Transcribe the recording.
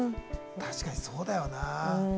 確かにそうだよな。